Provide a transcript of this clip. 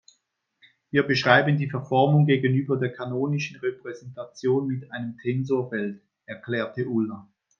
Wir beschreiben die Verformung gegenüber der kanonischen Repräsentation mit einem Tensorfeld, erklärte Ulla.